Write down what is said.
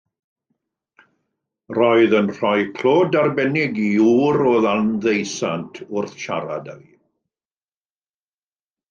Roedd yn rhoi clod arbennig i ŵr o Landdeusant, wrth siarad â mi.